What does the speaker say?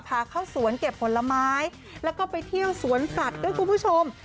พาเข้าสวนเก็บผลไม้แล้วก็ไปเที่ยวสวนสัตว์ด้วยคุณผู้ชม